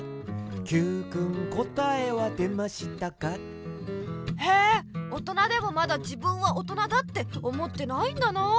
「Ｑくんこたえはでましたか？」へえ大人でもまだ自分は大人だって思ってないんだなあ。